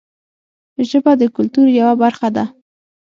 ژبه د کلتور یوه برخه ده